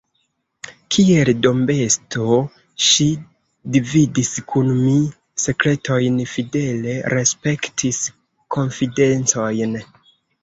Kiel dombesto, ŝi dividis kun mi sekretojn, fidele respektis konfidencojn.